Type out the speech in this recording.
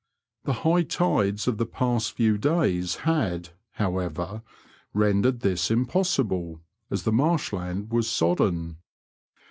The Jiigh tides of the past few days had, however, rendered this impossible, as the marshland was sodden.